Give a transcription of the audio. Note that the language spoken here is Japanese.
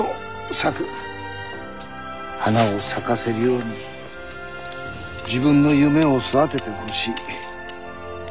花を咲かせるように自分の夢を育ててほしい。